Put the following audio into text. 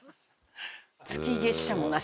「月月謝もなし」